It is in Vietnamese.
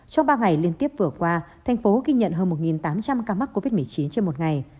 trong ba ngày liên tiếp vừa qua thành phố ghi nhận hơn một tám trăm linh ca mắc covid một mươi chín trên một ngày